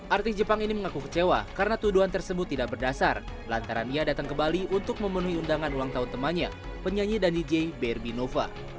artis jepang ini mengaku kecewa karena tuduhan tersebut tidak berdasar lantaran ia datang ke bali untuk memenuhi undangan ulang tahun temannya penyanyi dandi jay berbi nova